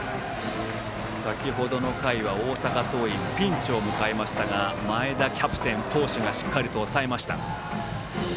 先程の回は大阪桐蔭、ピンチを迎えましたが前田キャプテン、投手がしっかり抑えました。